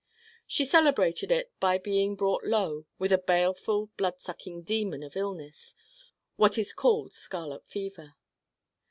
She celebrated it by being brought low with a baleful blood sucking demon of illness, what is called scarlet fever.